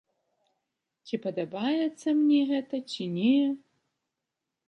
Ці падабаецца мне гэта ці не?